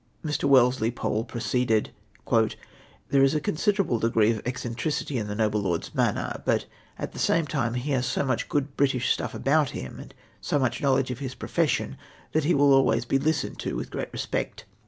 Mr. Wellesley Pole proceeded :—" There is a considerable degree of eccentricity in the noble lord's manner, but at the same time he has so much good British stuff about him, and so much knowledge of his profession, that he will always be listened to with great re spect.